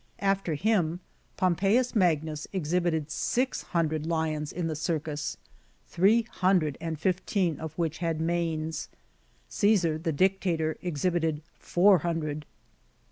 ^ After him, Pompeius Magnus exhibited six hundred lions in the Circus, three hundred and fifteen of which had manes ; Caesar, the Dictator, exhibited four hundred.